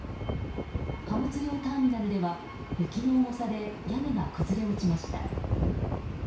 貨物用ターミナルでは雪の重さで屋根が崩れ落ちました。